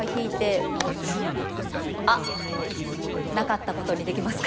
なかったことにできますか？